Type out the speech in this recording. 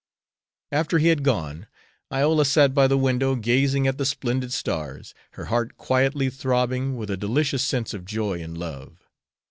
After he had gone, Iola sat by the window, gazing at the splendid stars, her heart quietly throbbing with a delicious sense of joy and love.